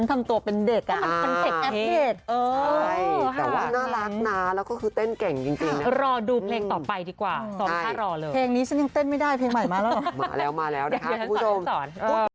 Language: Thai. น่ารักนะแล้วก็คือเต้นเก่งจริงนะครับรอดูเพลงต่อไปดีกว่าใช่สอบถ้ารอเลยเพลงนี้ฉันยังเต้นไม่ได้เพลงใหม่มาแล้วมาแล้วนะครับคุณผู้ชมอยากให้ท่านสอนท่านสอน